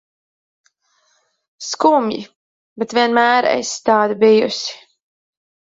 Skumji, bet vienmēr esi tāda bijusi.